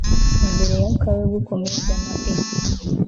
imbere yakawe gukomeye Danae